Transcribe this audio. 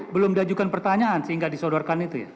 belum diajukan pertanyaan sehingga disodorkan itu ya